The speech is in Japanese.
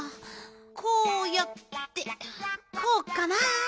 こうやってこうかな？